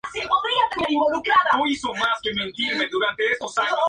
Por lo demás, estuve muy alegre todo el día.